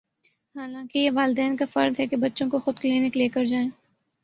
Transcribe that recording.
حالانکہ یہ والدین کافرض ہے بچوں کو خودکلینک لےکرجائیں۔